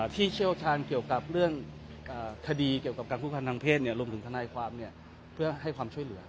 เชี่ยวชาญเกี่ยวกับเรื่องคดีเกี่ยวกับการคุกพันธ์ทางเพศรวมถึงทนายความเพื่อให้ความช่วยเหลือ